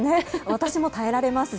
私も耐えられます。